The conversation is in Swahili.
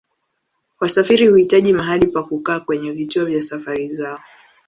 Wasafiri huhitaji mahali pa kukaa kwenye vituo vya safari zao.